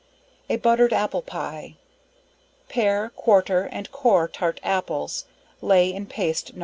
A buttered apple Pie. Pare, quarter and core tart apples, lay in paste No.